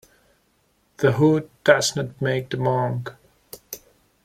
The hood does not make the monk.